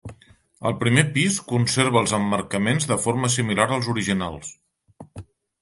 El primer pis conserva els emmarcaments de forma similar als originals.